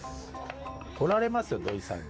怒られますよ土井さんに。